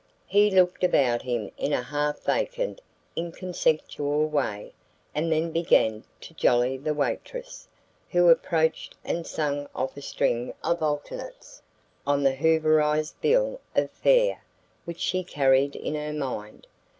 He looked about him in a half vacant inconsequential way and then began to "jolly" the waitress, who approached and sung off a string of alternates on the "Hooverized" bill of fare which she carried in her mind.